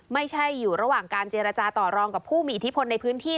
ไม่ใช่อยู่ระหว่างการเจรจาต่อรองกับผู้มีอิทธิพลในพื้นที่